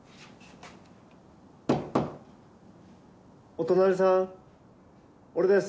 お隣さん俺です。